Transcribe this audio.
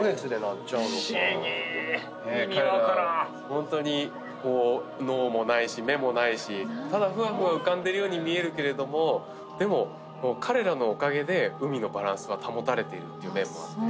ホントに脳もないし目もないしただふわふわ浮かんでるように見えるけれどもでも彼らのおかげで海のバランスは保たれているっていう面もあって。